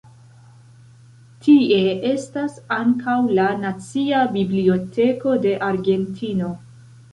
Tie estas ankaŭ la Nacia Biblioteko de Argentino.